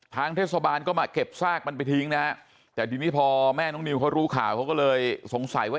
ทางเทศบาลก็มาเก็บซากมันไปทิ้งนะฮะแต่ทีนี้พอแม่น้องนิวเขารู้ข่าวเขาก็เลยสงสัยว่า